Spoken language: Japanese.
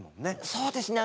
そうですね。